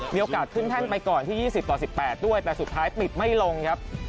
มีโอกาสขึ้นแท่นไปก่อนที่๒๐ต่อ๑๘ด้วยแต่สุดท้ายปิดไม่ลงครับ